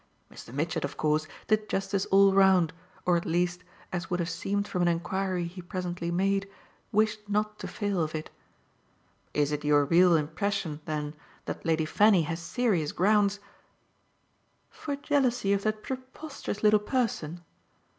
Mr. Mitchett of course did justice all round, or at least, as would have seemed from an enquiry he presently made, wished not to fail of it. "Is it your real impression then that Lady Fanny has serious grounds " "For jealousy of that preposterous little person?